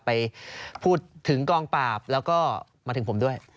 ไปพูดถึงกองปราบแล้วก็มาถึงผมด้วย